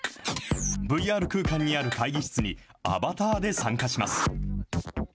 ＶＲ空間にある会議室に、アバターで参加します。